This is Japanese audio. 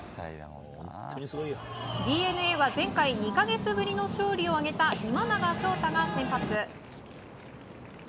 ＤｅＮＡは前回、２か月ぶりの勝利を挙げた今永昇太が先発。